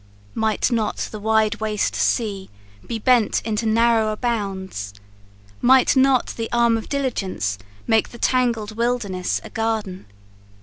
Might not the wide waste sea be bent into narrower bounds? Might not the arm of diligence make the tangled wilderness a garden?